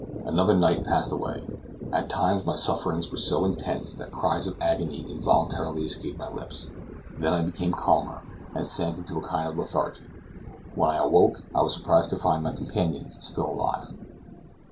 Another night passed away. At times my sufferings were so intense that cries of agony involuntarily escaped my lips; then I became calmer, and sank into a kind of lethargy. When I awoke, I was surprised to find my companions still alive.